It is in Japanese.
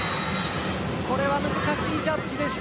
これは難しいジャッジでした。